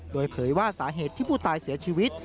โดยเผยว่าสาเหตุที่ผู้ตายเสียชีวิต